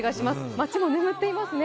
街も眠っていますね。